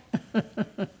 フフフフ！